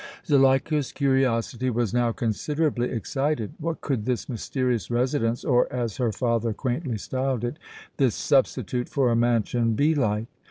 Zuleika's curiosity was now considerably excited. What could this mysterious residence, or, as her father quaintly styled it, this substitute for a mansion be like?